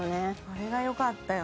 あれがよかったよね。